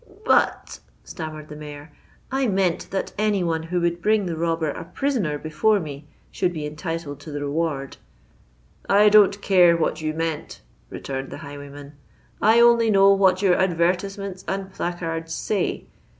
"—"But," stammered the Mayor, "I meant that any one who would bring the robber a prisoner before me, should be entitled to the reward."—"I don't care what you meant," returned the highwayman: "I only know what your advertisements and placards say.